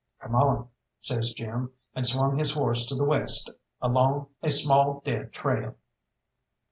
"Come on," says Jim, and swung his horse to the west along a small dead trail.